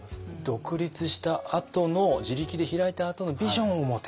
独立したあとの自力で開いたあとのビジョンを持て。